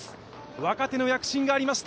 若手の躍進がありました、